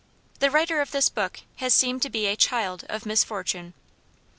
The writer of this book has seemed to be a child of misfortune.